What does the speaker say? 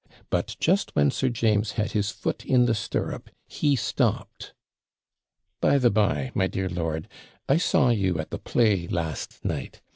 But just when Sir James had his foot in the stirrup, he stopped. 'By the bye, my dear lord, I saw you at the play last night.